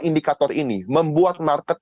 indikator ini membuat market